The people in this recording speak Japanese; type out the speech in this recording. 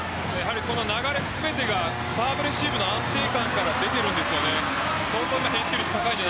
この流れ全てがサーブレシーブの安定感から出ているんです。